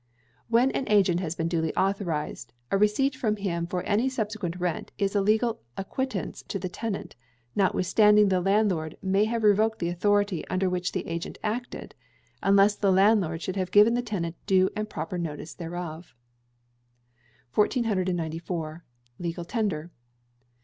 When an agent has been duly authorized, a receipt from him for any subsequent rent is a legal acquittance to the tenant, notwithstanding the landlord may have revoked the authority under which the agent acted, unless the landlord should have given the tenant due and proper notice thereof. 1494. Legal Tender.